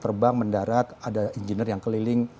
terbang mendarat ada engineer yang keliling